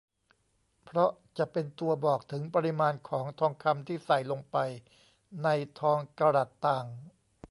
เพราะจะเป็นตัวบอกถึงปริมาณของทองคำที่ใส่ลงไปในทองกะรัตต่าง